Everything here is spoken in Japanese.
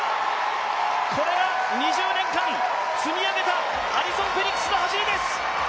これが２０年間、積み上げたアリソン・フェリックスの走りです。